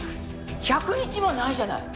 １００日もないじゃない。